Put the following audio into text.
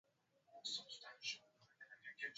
Alijipaka marashi